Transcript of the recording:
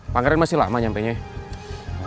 pangeran masih lama nyampe nya ya